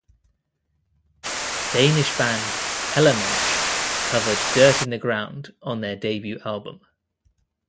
Danish band Kellermensch covered "Dirt in the Ground" on their debut album.